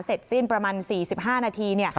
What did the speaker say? เสร็จสิ้นประมาณ๔๕นาที